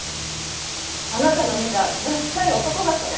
あなたの見たダッサイ男がそれ。